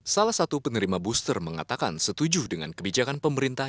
salah satu penerima booster mengatakan setuju dengan kebijakan pemerintah